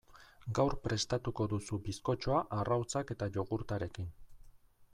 Gaur prestatuko duzu bizkotxoa arrautzak eta jogurtarekin.